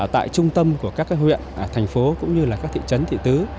tại trung tâm của các huyện thành phố cũng như là các thị trấn thị tứ